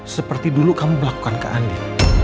seperti dulu kamu melakukan ke andi